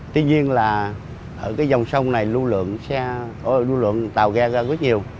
tuy nhiên là ở cái dòng sông này lưu lượng tàu ghe ra rất nhiều